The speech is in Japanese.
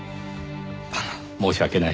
ああ申し訳ない。